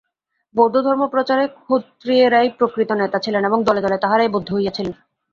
বৌদ্ধধর্ম-প্রচারে ক্ষত্রিয়েরাই প্রকৃত নেতা ছিলেন এবং দলে দলে তাঁহারাই বৌদ্ধ হইয়াছিলেন।